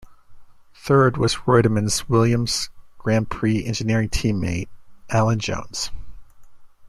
Third was Reutemann's Williams Grand Prix Engineering teammate Alan Jones.